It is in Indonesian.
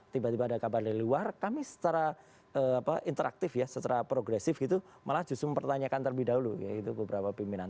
tiba tiba ada kabar dari luar kami secara interaktif ya secara progresif gitu malah justru mempertanyakan terlebih dahulu yaitu beberapa pimpinan